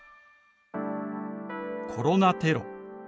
「コロナテロ」。